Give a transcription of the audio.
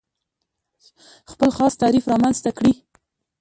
خپل خاص تعریف رامنځته کړي.